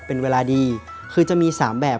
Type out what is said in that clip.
เป็นเวลาดีคือจะมี๓แบบ